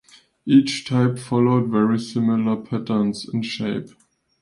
Each type followed very similar patterns in shape.